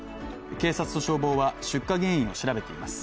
警察と消防は出火原因を調べています。